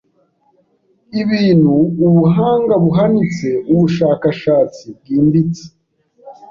—ibintu ubuhanga buhanitse, ubushakashatsi bwimbitse